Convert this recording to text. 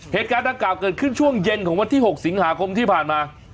เหตุการณ์ดังกล่าวเกิดขึ้นช่วงเย็นของวันที่๖สิงหาคมที่ผ่านมา